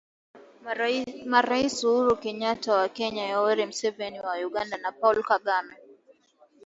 Marais Uhuru Kenyata wa Kenya Yoweri Museveni wa Uganda na Paul Kagame